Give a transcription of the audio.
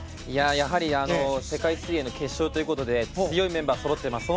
やはり、世界水泳の決勝ということで強いメンバーそろっています。